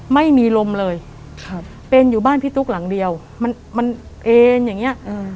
ไม่มีลมเลยเป็นอยู่บ้านพี่ตุ๊กหลังเดียวมันมันเอ็นอย่างนี้